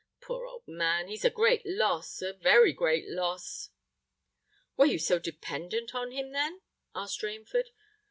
Poor old man! he's a great loss—a very great loss!" "Were you so dependent on him, then?" asked Rainford.